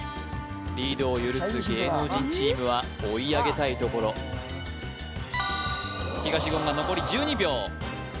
リードを許す芸能人チームは追い上げたいところ東言が残り１２秒